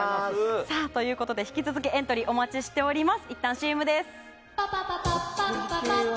引き続きエントリーお待ちしております。